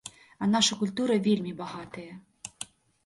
А наша культура вельмі багатая.